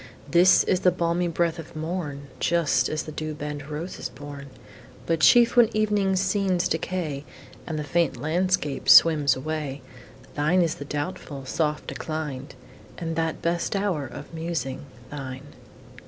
Thine is the balmy breath of morn, Just as the dew bent rose is born. But chief when evening scenes decay And the faint landscape swims away, Thine is the doubtful, soft decline, And that best hour of musing thine.